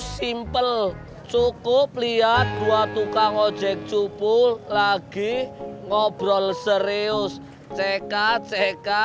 sampai jumpa di video selanjutnya